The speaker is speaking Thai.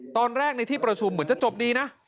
ตอนแรกในที่ประชุมเหมือนจะจบดีนะ